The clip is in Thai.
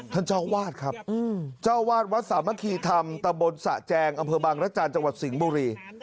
เจ้าวาดครับเจ้าวาดวัดสามัคคีธรรมตะบนสะแจงอำเภอบางรจันทร์จังหวัดสิงห์บุรี